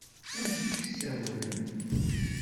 Amek i k-ssawalen?